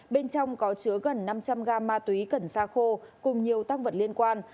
bên trong có chứa gần năm trăm linh gam ma túy cần xa khô cùng nhiều tăng vật liên quan